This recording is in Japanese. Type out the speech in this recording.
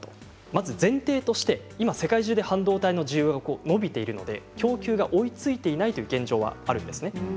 まず前提として今世界中で半導体の需要が伸びているので供給が追いついていないという現状があるんですね。